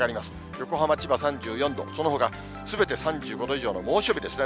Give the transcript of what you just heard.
横浜、千葉３４度、そのほかすべて３５度以上の猛暑日ですね。